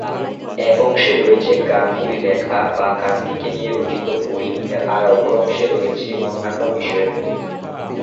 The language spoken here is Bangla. এক অংশে রয়েছে গান্ধীর লেখা বা গান্ধীকে নিয়ে রচিত বই আর অপর অংশে রয়েছে অন্যান্য বিষয়ের বই।